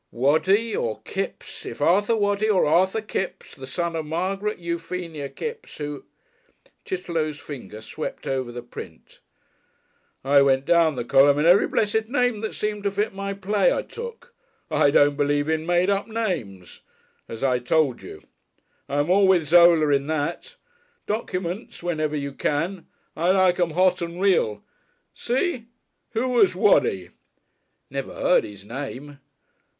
"'WADDY or KIPPS. If Arthur Waddy or Arthur Kipps, the son of Margaret Euphemia Kipps, who '" Chitterlow's finger swept over the print. "I went down the column and every blessed name that seemed to fit my play I took. I don't believe in made up names. As I told you. I'm all with Zola in that. Documents whenever you can. I like 'em hot and real. See? Who was Waddy?" "Never heard his name."